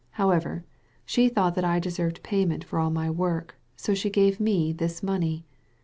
However, she thought that I deserved payment for all my work, so she gave me this money.